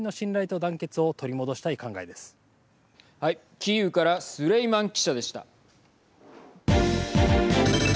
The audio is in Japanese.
キーウからスレイマン記者でした。